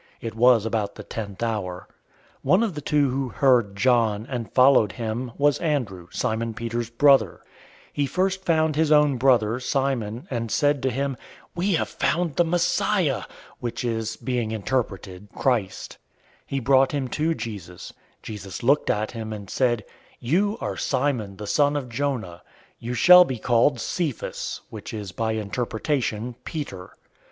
It was about the tenth hour.{4:00 PM.} 001:040 One of the two who heard John, and followed him, was Andrew, Simon Peter's brother. 001:041 He first found his own brother, Simon, and said to him, "We have found the Messiah!" (which is, being interpreted, Christ{"Messiah" (Hebrew) and "Christ" (Greek) both mean "Anointed One".}). 001:042 He brought him to Jesus. Jesus looked at him, and said, "You are Simon the son of Jonah. You shall be called Cephas" (which is by interpretation, Peter).